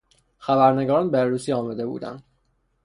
خبرنگاران به عروسی آمده بودند.